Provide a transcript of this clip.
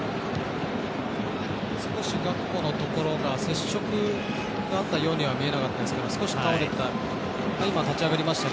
少しガクポのところが接触があったようには見えなかったですけど少し倒れていた。